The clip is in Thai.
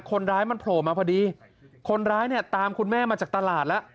คนร้ายมันโผล่มาพอดีคนร้ายเนี่ยตามคุณแม่มาจากตลาดแล้ว